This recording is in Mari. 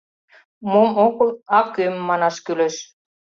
— Мом огыл, а — кӧм, манаш кӱлеш.